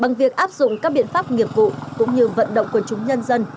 bằng việc áp dụng các biện pháp nghiệp vụ cũng như vận động quần chúng nhân dân